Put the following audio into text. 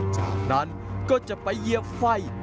จากนั้นก็จะไปเหยียบไฟ